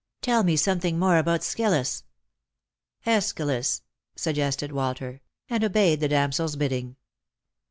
Tell me something more about Skylous." " iEschylus !" suggested "Walter; and obeyed the damsei's bidding.